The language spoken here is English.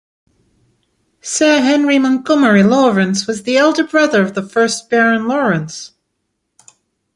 Sir Henry Montgomery Lawrence was the elder brother of the first Baron Lawrence.